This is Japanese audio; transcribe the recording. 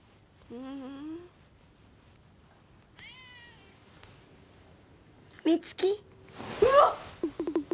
うわっ！